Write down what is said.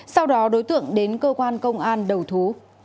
sau đó đối tượng đến cơ quan công an đầu thú